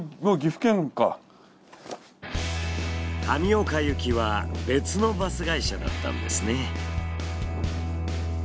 神岡行きは別のバス会社だったんですね。